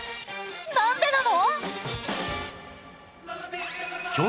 なんでなの！？